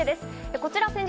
こちら先日、